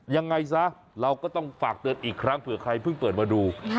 ยังไงซะเราก็ต้องฝากเตือนอีกครั้งเผื่อใครเพิ่งเปิดมาดู